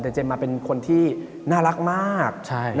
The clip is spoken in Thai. แต่เจมส์มาเป็นคนที่น่ารักมาก